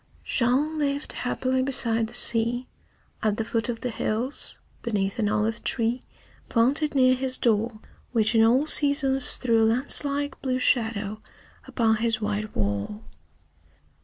Jean lived happily beside the sea, at the foot of the hills, beneath an olive tree planted near his door, which in all seasons threw a lance like blue shadow upon his white wall.